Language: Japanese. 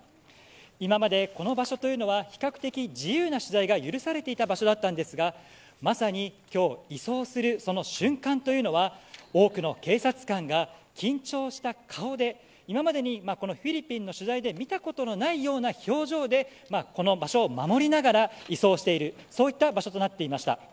今まで、この場所というのは比較的自由な取材が許されていた場所だったんですがまさに今日移送するその瞬間というのは多くの警察官が緊張した顔で今までにフィリピンの取材で見たことのないような表情でこの場所を守りながら移送しているそういった場所となっていました。